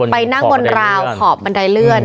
ไปนั่งบนราวขอบบันไดเลื่อน